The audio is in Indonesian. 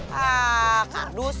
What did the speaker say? hah kak ardus